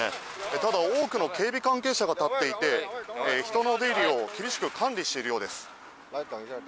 ただ、多くの警備関係者が立っていて、人の出入りを厳しく管理しているようです。